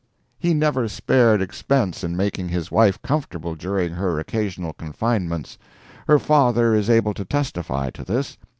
He never spared expense in making his wife comfortable during her occasional confinements. Her father is able to testify to this.